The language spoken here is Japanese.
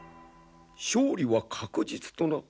勝利は確実とな？